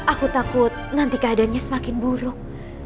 aku takut nanti keadaannya semakin buruk